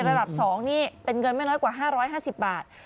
ระดับ๒นี่เป็นเงินไม่น้อยกว่า๕๕๐บาท